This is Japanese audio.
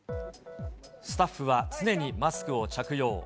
スタッフは常にマスクを着用。